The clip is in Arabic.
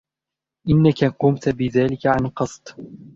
إنك قمت بذلك عن قصد!